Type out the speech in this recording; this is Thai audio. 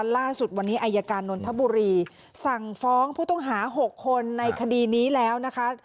ล่าสุดวันนี้อายการนนทบุรีสั่งฟ้องผู้ต้องหา๖คนในคดีนี้แล้วนะคะ